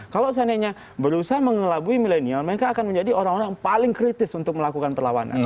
kalau seandainya berusaha mengelabui milenial mereka akan menjadi orang orang paling kritis untuk melakukan perlawanan